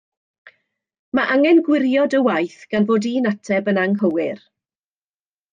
Mae angen gwirio dy waith gan fod un ateb yn anghywir